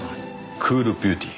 クールビューティー。